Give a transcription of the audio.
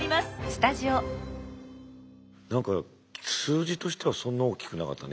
何か数字としてはそんな大きくなかったね